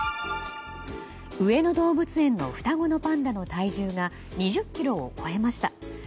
上野動物園の双子のパンダの体重が２０ｋｇを超えました。